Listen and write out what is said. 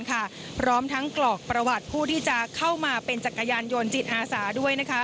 พร้อมทั้งกรอกประวัติผู้ที่จะเข้ามาเป็นจักรยานยนต์จิตอาสาด้วยนะคะ